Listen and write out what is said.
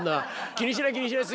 気にしない気にしない。